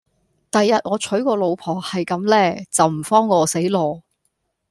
第日我娶個老婆係咁呢就唔慌餓死咯